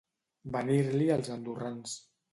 Venir-li els andorrans.